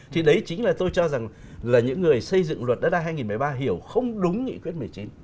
thì đấy chính là tôi cho rằng là những người xây dựng luật đất đai hai nghìn một mươi ba hiểu không đúng nghị quyết một mươi chín